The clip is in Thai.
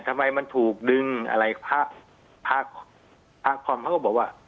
ทำไมมันถูกดึงอะไรพระพระพรมเขาก็บอกว่า